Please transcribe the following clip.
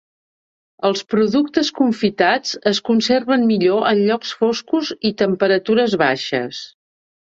Els productes confitats es conserven millor en llocs foscos i temperatures baixes.